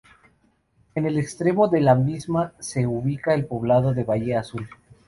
En el extremo de la misma se ubica el poblado de Bahía Azul.